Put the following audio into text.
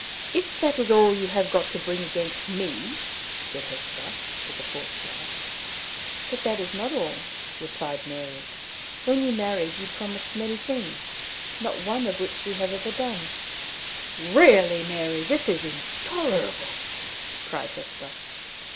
"If that is all you have got to bring against me! " said Hesper, with a forced laugh. "But that is not all," replied Mary. "When you married, you promised many things, not one of which you have ever done." "Really, Mary, this is intolerable!" cried Hesper.